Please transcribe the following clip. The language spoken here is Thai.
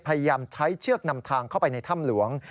พยายามใช้เชือกนำทางเข้าไปในถ้ำหลวง